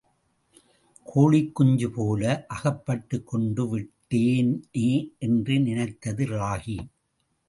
கோழிக் குஞ்சு போல அகப் பட்டுக்கொண்டு விட்டேனே! என்று நினைத்தது ராகி.